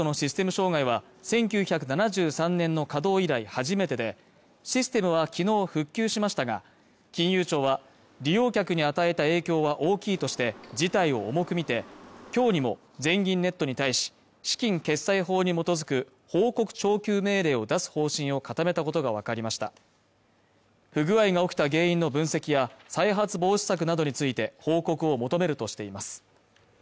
障害は１９７３年の稼働以来初めてでシステムは機能復旧しましたが金融庁は利用客に与えた影響は大きいとして事態を重く見て今日にも全銀ネットに対し資金決済法に基づく報告徴求命令を出す方針を固めたことが分かりました不具合が起きた原因の分析や再発防止策などについて報告を求めるとしています